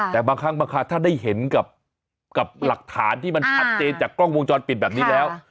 แต่บางครั้งบางครั้งถ้าได้เห็นกับหลักฐานที่มันชัดเจนจากกล้องวงจรปิดแบบนี้แล้ว